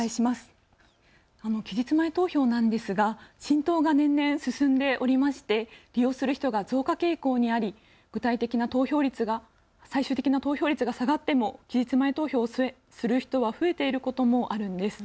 期日前投票なんですが浸透が年々進んでおりまして利用する人が増加傾向にあり具体的な投票率が、最終的な投票率が下がっても期日前投票をする人は増えていることもあるんです。